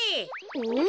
うん？